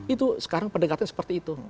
itu sekarang pendekatan seperti itu